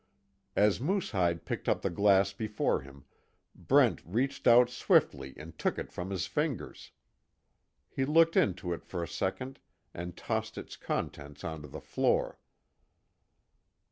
As Moosehide picked up the glass before him, Brent reached out swiftly and took it from his fingers. He looked into it for a second and tossed its contents onto the floor.